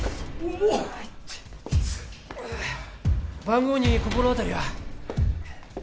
番号に心当たりは？